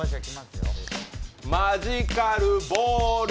マジカルボール。